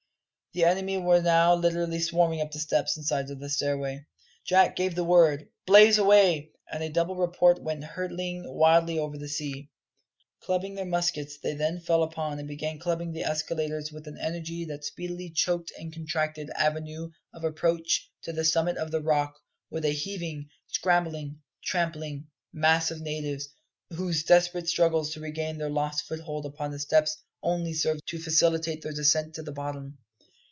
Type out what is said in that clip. The enemy were now literally swarming up the steps and sides of the stairway. Jack gave the word "Blaze away!" and a double report went hurtling wildly out over the sea. Clubbing their muskets, they then fell upon and began clubbing the escaladers with an energy that speedily choked the contracted avenue of approach to the summit of the Rock with a heaving, scrambling, trampling mass of natives, whose desperate struggles to regain their lost foothold upon the steps only served to facilitate their descent to the bottom.